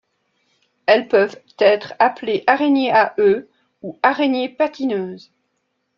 Elles peuvent être appelées araignées à œufs ou araignées-patineuses.